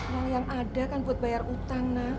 nah yang ada kan buat bayar utang nak